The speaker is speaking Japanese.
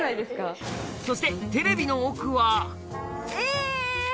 そしてテレビの奥はえ！